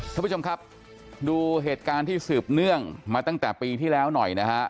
ท่านผู้ชมครับดูเหตุการณ์ที่สืบเนื่องมาตั้งแต่ปีที่แล้วหน่อยนะฮะ